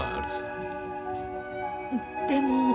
でも。